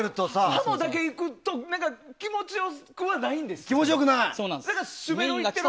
ハモだけ行くと気持ち良くないんですよね。